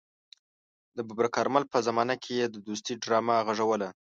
د ببرک کارمل په زمانه کې يې د دوستۍ ډرامه غږوله.